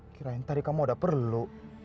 kirain tadi kamu udah perlu